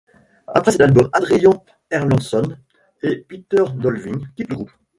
Après cet album, Adrian Erlandsson et Peter Dolving quittent le groupe.